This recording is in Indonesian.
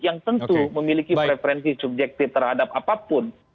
yang tentu memiliki preferensi subjektif terhadap apapun